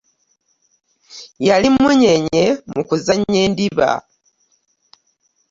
Yali mmunyeenye mu kuzannya endiba.